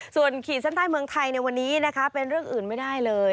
ส่วนขีดเส้นใต้เมืองไทยในวันนี้นะคะเป็นเรื่องอื่นไม่ได้เลย